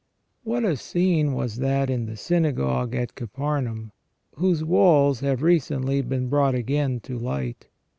* What a scene was that in the synagogue of Capharnaum, whose walls have recently been brought again to light.